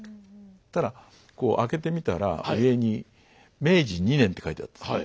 そしたらこう開けてみたら上に「明治２年」って書いてあったんですよ。